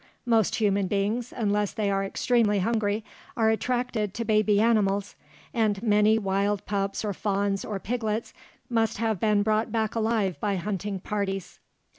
Most human beings, unless they are extremely hungry, are attracted to baby animals, and many wild pups or fawns or piglets must have been brought back alive by hunting parties.